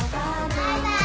バイバーイ。